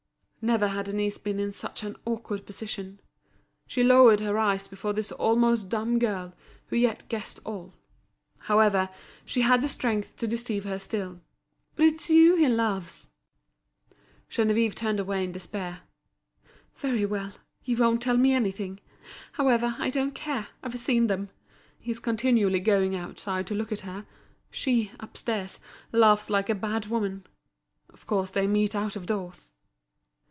Never had Denise been in such an awkward position. She lowered her eyes before this almost dumb girl, who yet guessed all. However, she had the strength to deceive her still. "But it's you he loves!" Geneviève turned away in despair. "Very well, you won't tell me anything. However, I don't care, I've seen them. He's continually going outside to look at her. She, upstairs, laughs like a bad woman. Of course they meet out of doors."